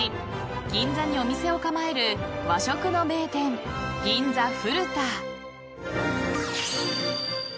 銀座にお店を構える和食の名店銀座ふる田］